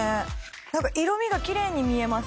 なんか色味がきれいに見えます。